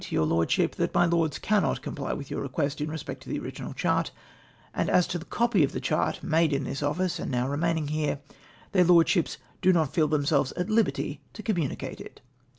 7 your Lordship that my Lords cannot comply with your request in respect to the original chart, and as to the copy of the chart made in this office and now remaining here, their Lord ships do not feel themselves at liberty to communicate it.